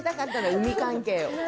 海関係を。